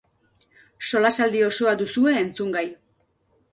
Solasaldi osoa duzue entzungai.